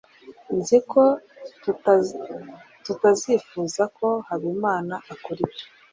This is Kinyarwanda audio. Nzi ko tutazifuza ko Habimana akora ibyo.